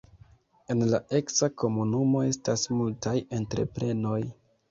En la eksa komunumo estas multaj entreprenoj.